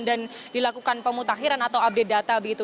dan dilakukan pemutakhiran atau update data begitu